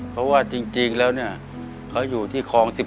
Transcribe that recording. เพราะว่าจริงแล้วเนี่ยเขาอยู่ที่คลอง๑๑